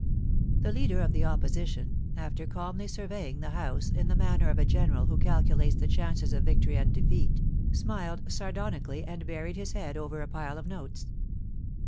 The Leader of the Opposition, after calmly surveying the House in the manner of a general who caJculates the chances of victory and defeat, smiled sardonically and buried his head over a pile of notes.